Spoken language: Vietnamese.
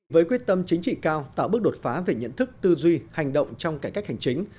với quyết tâm chính trị cao tạo bước đột phá về nhận thức tư duy hành động trong cải cách hành chính